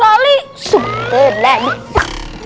tidak berhenti ya